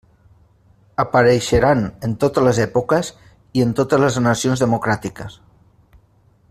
Apareixeran en totes les èpoques i en totes les nacions democràtiques.